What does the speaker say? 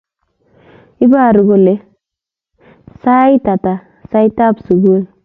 Ibaru kole siat ata saitab sugul?